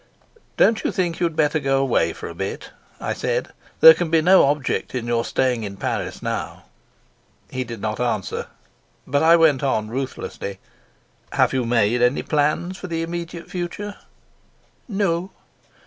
"Don't you think you'd better go away for a bit?" I said. "There can be no object in your staying in Paris now." He did not answer, but I went on ruthlessly: "Have you made any plans for the immediate future?" "No."